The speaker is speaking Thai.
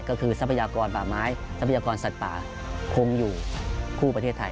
ก็คือทรัพยากรป่าไม้ทรัพยากรสัตว์ป่าคงอยู่คู่ประเทศไทย